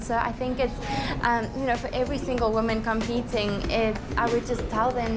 เพราะฉะนั้นทุกผู้หญิงที่เกี่ยวของฉัน